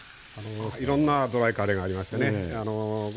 いろんなドライカレーがありましてね